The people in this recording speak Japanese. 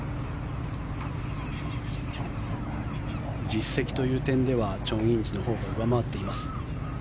実績という点ではチョン・インジのほうが上回っています。